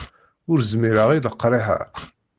Ur zmireɣ i leqriḥ-a.